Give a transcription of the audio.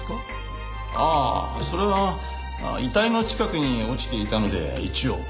ああそれは遺体の近くに落ちていたので一応。